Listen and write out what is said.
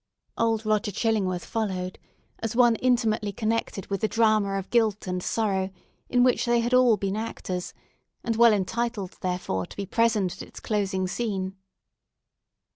Old Roger Chillingworth followed, as one intimately connected with the drama of guilt and sorrow in which they had all been actors, and well entitled, therefore to be present at its closing scene.